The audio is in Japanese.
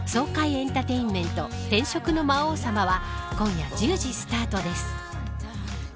エンターテインメント転職の魔王様は今夜１０時スタートです。